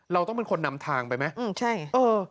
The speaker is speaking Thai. เราต้องเป็นคนนำทางไปไหม